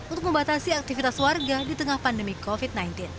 untuk membatasi aktivitas warga di tengah pandemi covid sembilan belas